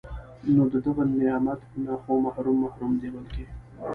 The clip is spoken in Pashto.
نو د دغه نعمت نه خو محروم محروم دی بلکي